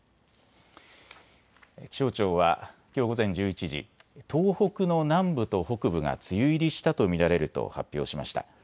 気象庁はきょう午前１１時、東北の南部と北部が梅雨入りしたと見られると発表しました。